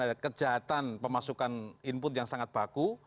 ada kejahatan pemasukan input yang sangat baku